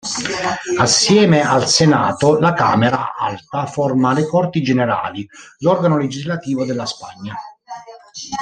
Assieme al Senato, la camera alta, forma le Corti generali, l'organo legislativo della Spagna.